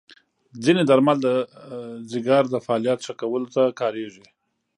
ځینې درمل د جګر د فعالیت ښه کولو ته کارېږي.